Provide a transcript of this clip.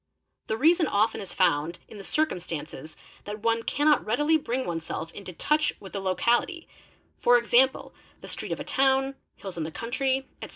The reason often is found in— the circumstance that one cannot readily bring oneself into touch with — the locality, e. g., the street of a town, hills in the country, etc.